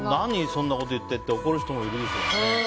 そんなこと言ってって怒る人もいるでしょうね。